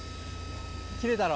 切れたろ？